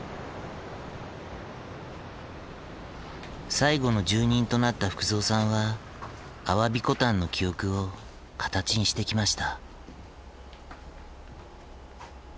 最後の住人となった福蔵さんは鮑古丹の記憶を形にしてきました。